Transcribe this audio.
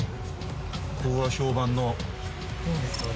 ここが評判の。